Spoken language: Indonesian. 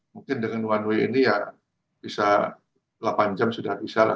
mungkin dengan one way ini ya bisa delapan jam sudah bisa lah